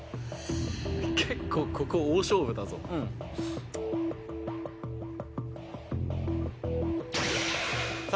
結構ここ大勝負だぞうんさあ